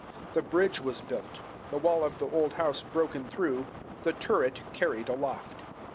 The bridge was built, the wall of the old house broken through, the turret carried aloft.